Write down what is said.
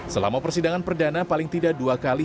selama persidangan perdana paling tidak dua kali